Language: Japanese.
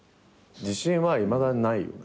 自信はいまだにないよね。